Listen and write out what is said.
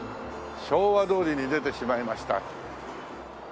昭和通りに出てしまいました。